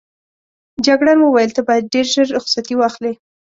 جګړن وویل ته باید ډېر ژر رخصتي واخلې.